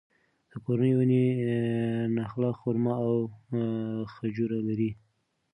د کورنۍ ونې نخله، خورما او خجوره لري.